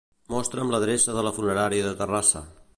Mostra'm l'adreça de la funerària de Terrassa.